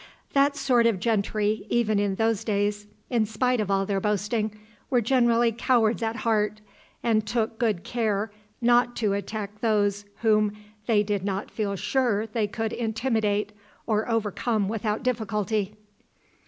That sort of gentry, even in those days, in spite of all their boasting, were generally cowards at heart, and took good care not to attack those whom they did not feel sure they could intimidate or overcome without difficulty.